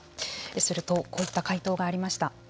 すると、こういった回答がありました。